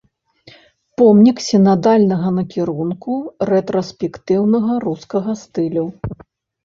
Помнік сінадальнага накірунку рэтраспектыўна-рускага стылю.